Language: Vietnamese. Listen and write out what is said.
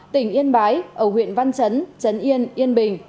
tỉnh yên bái ở huyện văn chấn yên yên bình